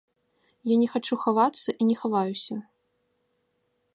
Я не хачу хавацца і не хаваюся.